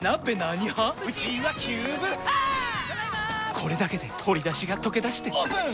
これだけで鶏だしがとけだしてオープン！